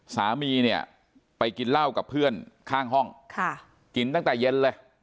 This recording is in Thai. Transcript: สามีเนี่ยไปกินเหล้ากับเพื่อนข้างห้องกินตั้งแต่เย็นเลย